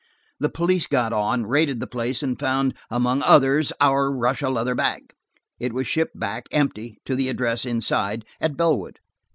The police got on, raided the place, and found, among others our Russia leather bag. It was shipped back, empty, to the address inside, at Bellwood."